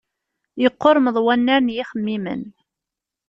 Yeqqurmeḍ wannar n yixemmimen.